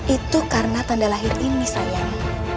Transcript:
itu karena tanda lahir ini sayang